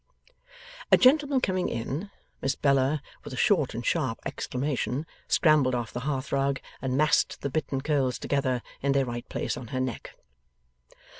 A gentleman coming in, Miss Bella, with a short and sharp exclamation, scrambled off the hearth rug and massed the bitten curls together in their right place on her neck.